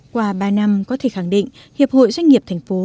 qua ba năm có thể khẳng định hiệp hội doanh nghiệp thành phố